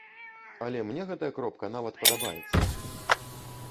Але мне гэтая кропка нават падабаецца!